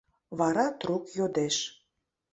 Вара трук йодеш: